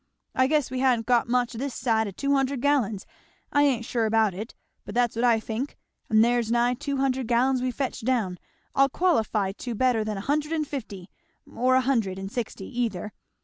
I guess we ha'n't got much this side o' two hundred gallon I ain't sure about it, but that's what I think; and there's nigh two hundred gallon we've fetched down; I'll qualify to better than a hundred and fifty, or a hundred and sixty either.